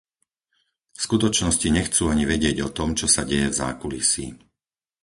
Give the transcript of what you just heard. V skutočnosti nechcú ani vedieť o tom, čo sa deje v zákulisí.